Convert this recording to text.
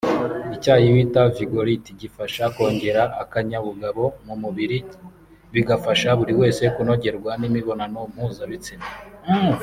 icyayi bita Vigority gifasha kongera akanyabugabo mu mubiri bigafasha buri wese kunogerwa n’imibonano mpuzabitsina